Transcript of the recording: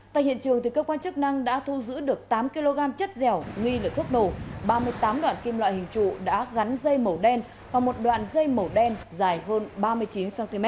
tại hiện trường cơ quan chức năng đã thu giữ được tám kg chất dẻo nghi là thuốc nổ ba mươi tám đoạn kim loại hình trụ đã gắn dây màu đen và một đoạn dây màu đen dài hơn ba mươi chín cm